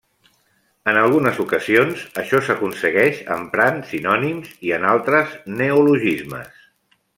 En algunes ocasions això s'aconsegueix emprant sinònims i en altres neologismes.